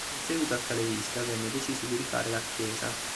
In seguito a tale visita venne deciso di rifare la chiesa.